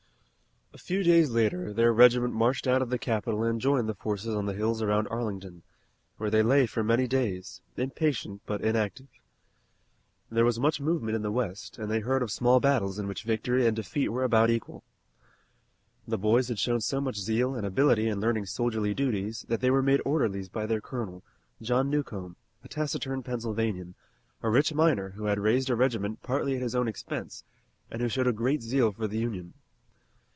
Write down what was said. A few days later their regiment marched out of the capital and joined the forces on the hills around Arlington, where they lay for many days, impatient but inactive. There was much movement in the west, and they heard of small battles in which victory and defeat were about equal. The boys had shown so much zeal and ability in learning soldierly duties that they were made orderlies by their colonel, John Newcomb, a taciturn Pennsylvanian, a rich miner who had raised a regiment partly at his own expense, and who showed a great zeal for the Union.